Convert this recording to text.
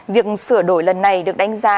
việc sửa đổi lần này được đánh giá